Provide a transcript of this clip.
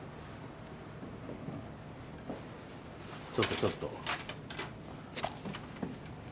ちょっとちょっと。